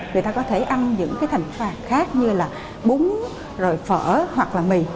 người ta có thể ăn những thành phần khác như là bún phở hoặc là mì